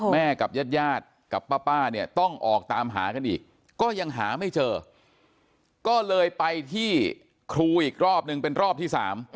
กับญาติญาติกับป้าเนี่ยต้องออกตามหากันอีกก็ยังหาไม่เจอก็เลยไปที่ครูอีกรอบนึงเป็นรอบที่๓